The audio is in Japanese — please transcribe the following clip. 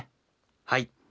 はい。